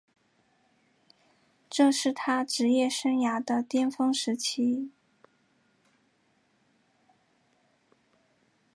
这是他职业生涯的巅峰时期。